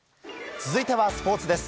続いてはスポーツです。